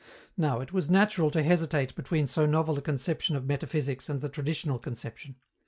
Now, it was natural to hesitate between so novel a conception of metaphysics and the traditional conception.